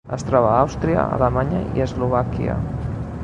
Es troba a Àustria, Alemanya i Eslovàquia.